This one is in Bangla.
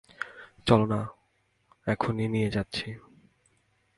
চলো-না, এখনই নিয়ে যাচ্ছি।